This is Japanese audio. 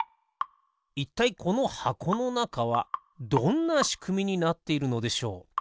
いったいこのはこのなかはどんなしくみになっているのでしょう？